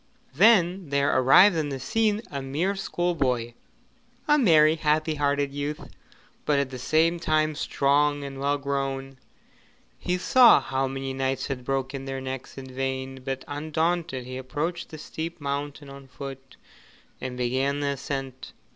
Then there arrived on the scene a mere schoolboy a merry, happy hearted youth, but at the same time strong and well grown. He saw how many knights had broken their necks in vain, but undaunted he approached the steep mountain on foot and began the ascent.